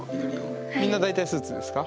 みんな大体スーツですか？